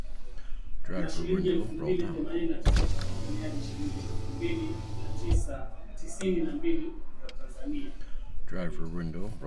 Na shilingi elfu mbili themanini na tisa za Tanzania hadi shilingi elfu mbili mia sita tisini na mbili za Tanzania kwa lita